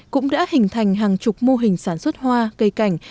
cũng đã hình thành hàng chục mô hình sản xuất hoa cây cảnh